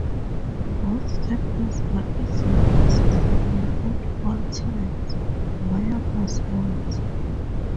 Both temples are easily accessible at all times via bus routes.